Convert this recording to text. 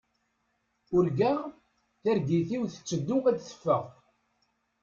Urgaɣ, targit-iw tetteddu ad teffeɣ.